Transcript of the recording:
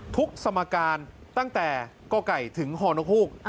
ทุกสมการตั้งแต่เกาะไก่ถึงฮอโนฮูก